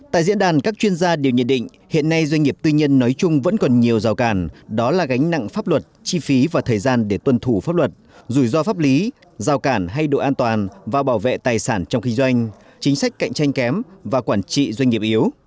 tại diễn đàn các chuyên gia đều nhận định hiện nay doanh nghiệp tư nhân nói chung vẫn còn nhiều rào càn đó là gánh nặng pháp luật chi phí và thời gian để tuân thủ pháp luật rủi ro pháp lý giao cản hay độ an toàn và bảo vệ tài sản trong kinh doanh chính sách cạnh tranh kém và quản trị doanh nghiệp yếu